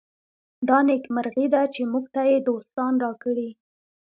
دا نېکمرغي ده چې موږ ته یې دوستان راکړي.